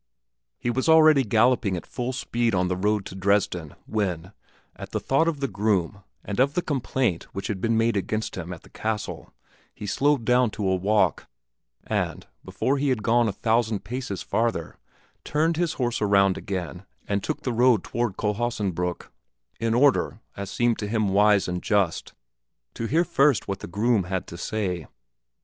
He was already galloping at full speed on the road to Dresden when, at the thought of the groom and of the complaint which had been made against him at the castle, he slowed down to a walk, and, before he had gone a thousand paces farther, turned his horse around again and took the road toward Kohlhaasenbrück, in order, as seemed to him wise and just, to hear first what the groom had to say.